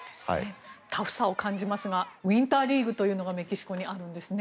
タフさを感じますがウィンターリーグというものがメキシコにあるんですね。